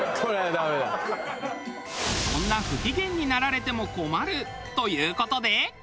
そんな不機嫌になられても困る！という事で。